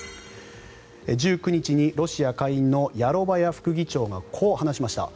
１９日にロシア下院のヤロバヤ副議長がこう話しました。